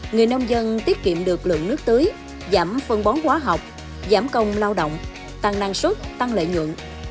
người nông dân tiết kiệm được lượng nước tưới giảm phân bón quá học giảm công lao động tăng năng suất tăng lợi nhuận